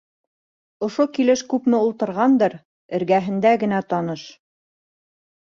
Ошо килеш күпме ултырғандыр, эргәһендә генә таныш.